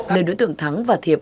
nơi đối tượng thắng và thiệp